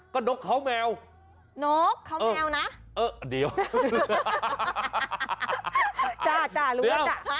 ก็นกเขาแมวนกเขาแมวนะเออเดี๋ยวจ้าจ้ะรู้แล้วจ้ะ